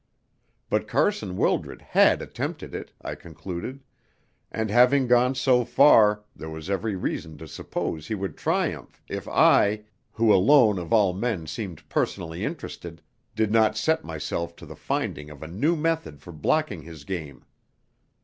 But Carson Wildred had attempted it, I concluded, and having gone so far, there was every reason to suppose he would triumph if I who alone of all men seemed personally interested did not set myself to the finding of a new method for blocking his game.